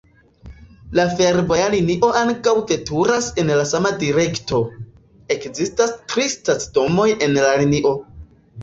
La fervoja linio ankaŭ veturas en la sama direkto. Ekzistas tri stacidomoj en la linio.